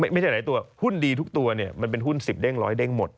ไม่ใช่หลายตัวหุ้นดีทุกตัวมันเป็นหุ้น๑๐เด้งร้อยเด้งหมด